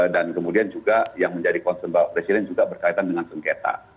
dan kemudian juga yang menjadi konsen bapak presiden juga berkaitan dengan sengketa